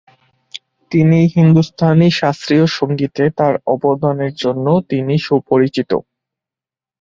তিনি হিন্দুস্তানি শাস্ত্রীয় সংগীতে তার অবদানের জন্য তিনি সুপরিচিত।